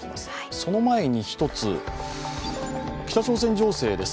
その前に１つ、北朝鮮情勢です。